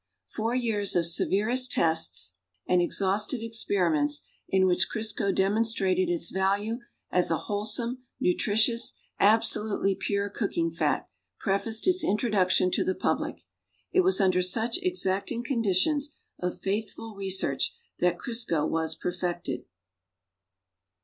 Four years of se\'ercst tests and exhausti\'c experiments in which Crisco demonstrated its value as a wholesome, nutritious, ab solutely pure cooking fat, prefaced lis introduction lo the pul)lio. It was under such exacting conditions of faithful research that Crisco was perfected.